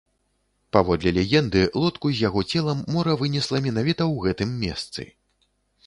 Паводле легенды, лодку з яго целам мора вынесла менавіта ў гэтым месцы.